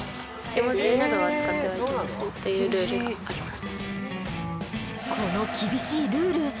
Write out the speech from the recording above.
絵文字などは使ってはいけませんっていうルールがあります。